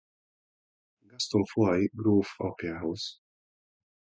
Gaston foix-i gróf apjához.